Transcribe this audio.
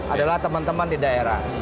adalah teman teman di daerah